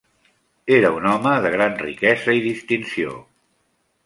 Era un home de gran riquesa i distinció.